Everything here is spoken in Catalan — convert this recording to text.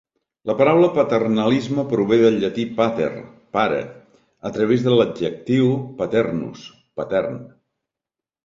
La paraula paternalisme prové del llatí "pater" (pare) a través de l'adjectiu "paternus" (patern).